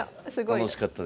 楽しかったです。